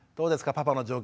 パパの状況